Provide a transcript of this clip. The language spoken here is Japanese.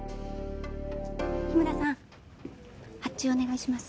日村さん発注お願いします。